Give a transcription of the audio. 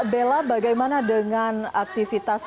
bella bagaimana dengan aktivitasnya